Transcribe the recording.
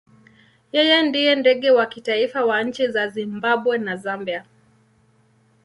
Yeye ndiye ndege wa kitaifa wa nchi za Zimbabwe na Zambia.